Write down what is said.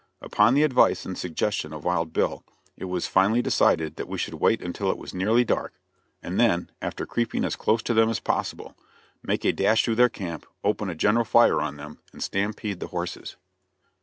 Upon the advice and suggestion of Wild Bill, it was finally decided that we should wait until it was nearly dark, and then, after creeping as close to them as possible, make a dash through their camp, open a general fire on them, and stampede the horses.